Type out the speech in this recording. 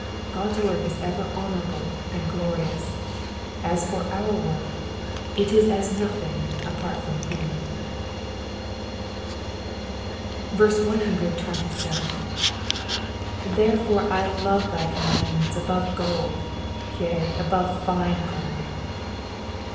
God's work is ever honourable and glorious ; as for our work, it is as nothing apart from him. 127. ^*' Therefore I love thy commandments above gold; yea, above fine gold.''